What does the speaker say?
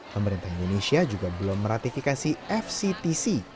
pemerintah indonesia juga belum meratifikasi fctc